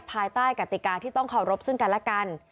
ภายใต้กติกาที่ต้องเคารพซึ่งกันและกัน